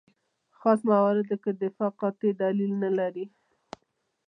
خاص مورد کې دفاع قاطع دلیل نه لري.